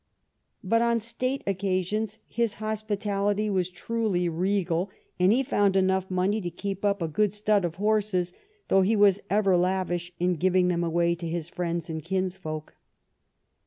But on state occa sions his hospitality was truly regal, and he found enough money to keep up a good stud of horses, though he was ever lavish in giving them away to his friends and kins folk.